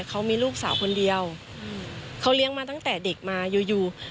เขามีลูกสาวคนเดียวเขาเลี้ยงมาตั้งแต่เด็กมาอยู่อยู่